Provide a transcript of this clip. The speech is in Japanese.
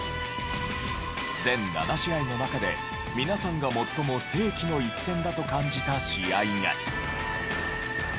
全７試合の中で皆さんが最も世紀の一戦だと感じた試合が。